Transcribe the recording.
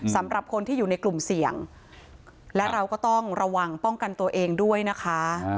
สำหรับคนที่อยู่ในกลุ่มเสี่ยงและเราก็ต้องระวังป้องกันตัวเองด้วยนะคะ